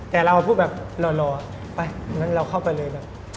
แต่เราพูดแบบหล่อไปงั้นเราเข้าไปเลยแบบ